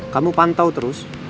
kamu pantau terus